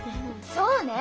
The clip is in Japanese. そうね！